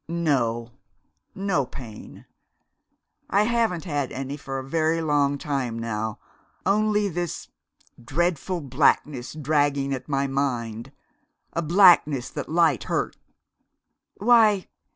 "No no pain. I haven't had any for a very long time now. Only this dreadful blackness dragging at my mind, a blackness the light hurts." "_Why!